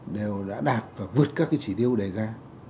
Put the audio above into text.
đều đã đạt và vượt các chỉ tiêu đầy ra